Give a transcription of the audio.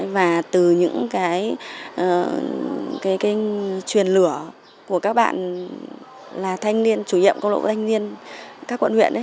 và từ những cái truyền lửa của các bạn là thanh niên chủ nhiệm câu lạc bộ thanh niên các quận huyện ấy